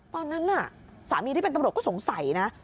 ตอนนั้นน่ะสามีที่เป็นตำรวจก็สงสัยนะ